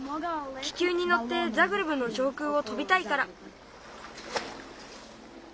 気球にのってザグレブの上空を飛びたいから。